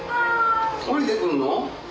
下りてくんの？